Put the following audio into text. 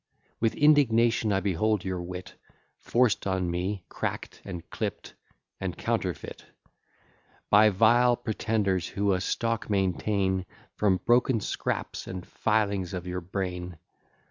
With indignation I behold your wit Forced on me, crack'd, and clipp'd, and counterfeit, By vile pretenders, who a stock maintain From broken scraps and filings of your brain.